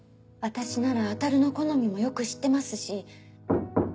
私ならアタルの好みもよく知ってますし。